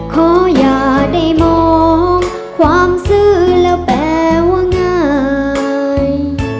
ขออย่าได้มองความซื้อแล้วแปลว่าง่าย